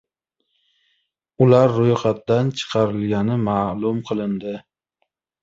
Ular roʻyxatdan chiqarilgani maʼlum qilindi